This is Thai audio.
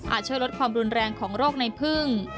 ช่วยลดความรุนแรงของโรคในพึ่ง